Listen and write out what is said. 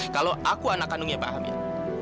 kalau aku anak kandungnya pak amir